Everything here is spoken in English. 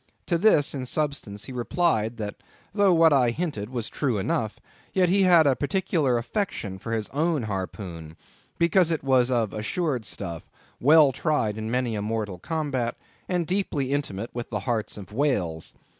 To this, in substance, he replied, that though what I hinted was true enough, yet he had a particular affection for his own harpoon, because it was of assured stuff, well tried in many a mortal combat, and deeply intimate with the hearts of whales.